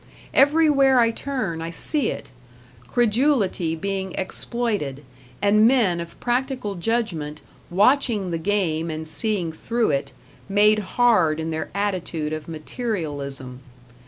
Everywhere I turn I see it credulity being exploited, and men of practical judgment, watching the game and seeing through it, made hard in their attitude of materialism.